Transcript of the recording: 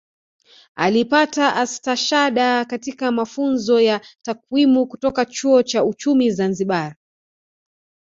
Alipata Astashada katika Mafunzo ya Takwimu kutoka Chuo cha Uchumi Zanzibar